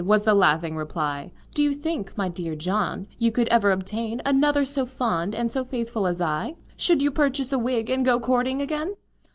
was the laughing reply; "Do you think, my dear John, you could ever obtain Another so fond and so faithful as I, Should you purchase a wig, and go courting again?"